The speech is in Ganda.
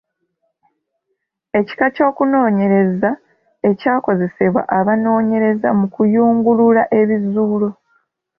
Ekika ky’okunoonyereza ekyakozesebwa abanoonyereza mu kuyungulula ebizuulo.